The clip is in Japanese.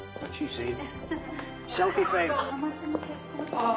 ああ。